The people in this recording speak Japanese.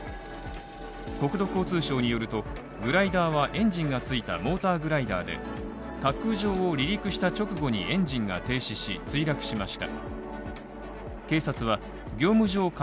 国土交通省によると、グライダーは、エンジンが付いたモーターグライダーで滑空場を離陸した直後にエンジンが停止し、墜落しました。